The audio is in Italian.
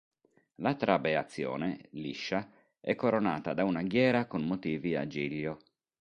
La trabeazione, liscia, è coronata da una ghiera con motivi a giglio.